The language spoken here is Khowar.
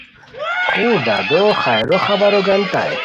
خور دادو خیرو خبرو گانیتائے